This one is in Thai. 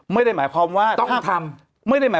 ไม่ได้หมายความว่า